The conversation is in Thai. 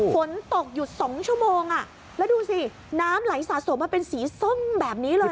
ฝนตกอยู่๒ชั่วโมงแล้วดูสิน้ำไหลสะสมมาเป็นสีส้มแบบนี้เลย